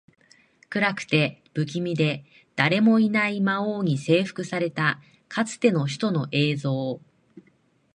暗くて、不気味で、誰もいない魔王に征服されたかつての首都の映像